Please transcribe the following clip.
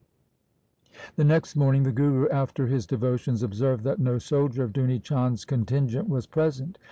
The next morning the Guru after his devotions observed that no soldier of Duni Chand's contingent was present.